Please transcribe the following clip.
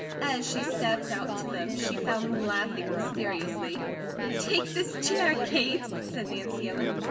As she stepped out to them, she found them laughing mysteriously. "Take this chair, Kate," said Nancy Ellen.